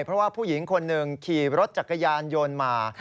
เพราะว่าผู้หญิงคนหนึ่งขี่รถจักรยานยนต์มา